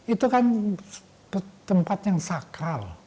itu kan tempat yang sakral